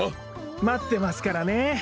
まってますからね。